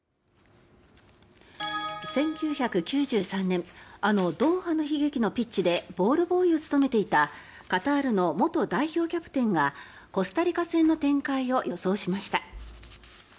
１９９３年あのドーハの悲劇のピッチでボールボーイを務めていたカタールの元代表キャプテンがコスタリカ戦の展開を予想しました。